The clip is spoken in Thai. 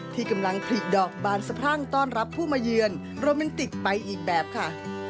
ที่กำลังผลิดอกบานสะพรั่งต้อนรับผู้มาเยือนโรแมนติกไปอีกแบบค่ะ